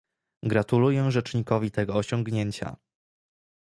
Gratuluję rzecznikowi tego osiągnięcia